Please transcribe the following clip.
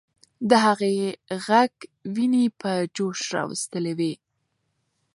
د هغې ږغ ويني په جوش راوستلې وې.